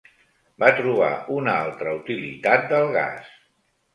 Va trobar una altra utilitat del gas.